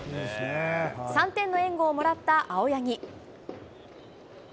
３点の援護をもらった青柳。